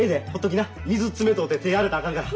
水冷とうて手荒れたらあかんから。